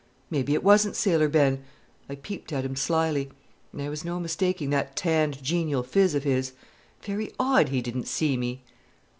Maybe it wasn't Sailor Ben. I peeped at him slyly. There was no mistaking that tanned, genial phiz of his. Very odd he didn't see me!